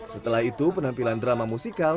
setelah itu penampilan drama musikal